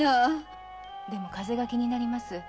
でも風が気になります。